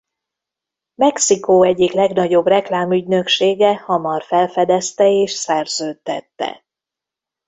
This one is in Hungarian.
Mexikó egyik legnagyobb reklámügynöksége hamar felfedezte és szerződtette.